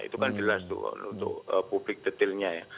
itu kan jelas tuh untuk publik detailnya ya